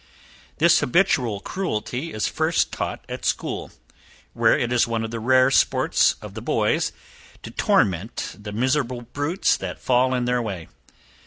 This habitual cruelty is first caught at school, where it is one of the rare sports of the boys to torment the miserable brutes that fall in their way.